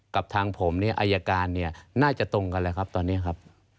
กับทางผมเนี่ยอายการเนี่ยน่าจะตรงกันแล้วครับตอนนี้ครับ